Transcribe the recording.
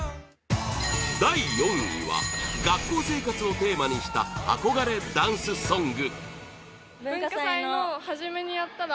第４位は学校生活をテーマにした憧れダンスソング